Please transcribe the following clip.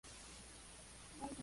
Ambos sexos los incuban.